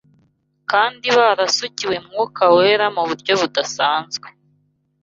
kandi barasukiwe Mwuka Wera mu buryo budasanzwe